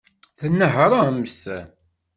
Tnehṛemt.